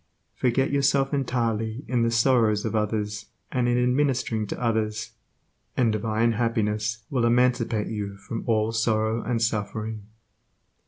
Forget yourself entirely in the sorrows of others and in ministering to others, and divine happiness will emancipate you from all sorrow and suffering.